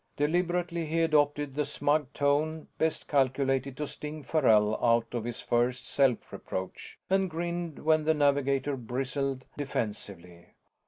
Deliberately he adopted the smug tone best calculated to sting Farrell out of his first self reproach, and grinned when the navigator bristled defensively.